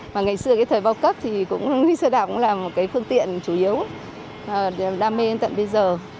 mà ngày xưa cái thời bao cấp thì xe đạp cũng là một cái phương tiện chủ yếu đam mê đến tận bây giờ